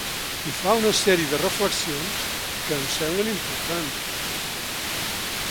I fa una sèrie de reflexions que em semblen importants.